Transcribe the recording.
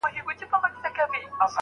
په بدل کي واده کول کورنۍ تباه کوي.